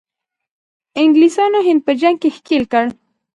انګلیسانو هند په جنګ کې ښکیل کړ.